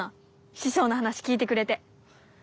師匠の話聞いてくれて。